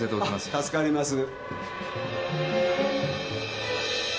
あっ助かります。